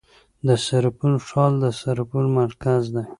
د سرپل ښار د سرپل مرکز دی